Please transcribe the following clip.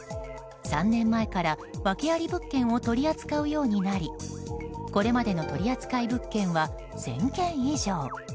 ３年前からワケあり物件を取り扱うようになりこれまでの取り扱い物件は１０００軒以上。